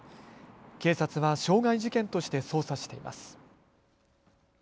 警察は傷害事件として捜査しています。